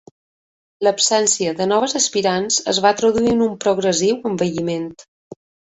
L'absència de noves aspirants es va traduir en un progressiu envelliment.